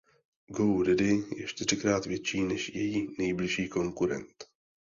Go Daddy je čtyřikrát větší než její nejbližší konkurent.